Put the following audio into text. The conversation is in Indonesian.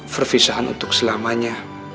perpisahan untuk selamanya